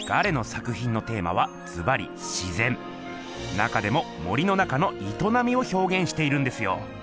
中でも森の中のいとなみをひょうげんしているんですよ。